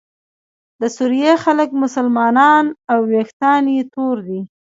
د سوریې خلک مسلمانان او ویښتان یې تور دي.